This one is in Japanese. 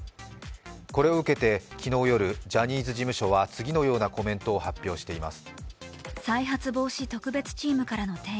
これを受けて昨日夜、ジャニーズ事務所は次のようなコメントを発表しています。